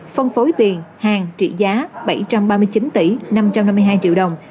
phân phối tiền hàng trị giá bảy trăm ba mươi chín tỷ năm trăm năm mươi hai triệu đồng